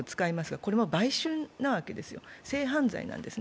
これも売春なわけですよ、性犯罪なんですね。